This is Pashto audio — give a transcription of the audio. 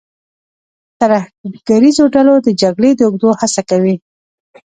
ترهګریزو ډلو د جګړې د اوږدولو هڅه کوي.